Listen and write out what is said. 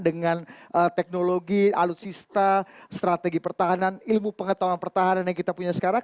dengan teknologi alutsista strategi pertahanan ilmu pengetahuan pertahanan yang kita punya sekarang